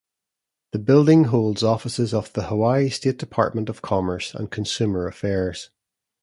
The building holds offices of the Hawaii state Department of Commerce and Consumer Affairs.